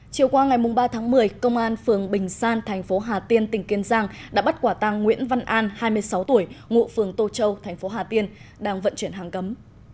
chiều qua ngày ba tháng một mươi công an phường bình san thành phố hà tiên tỉnh kiên giang đã bắt quả tăng nguyễn văn an hai mươi sáu tuổi ngụ phường tô châu thành phố hà tiên đang vận chuyển hàng cấm